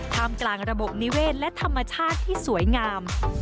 มกลางระบบนิเวศและธรรมชาติที่สวยงาม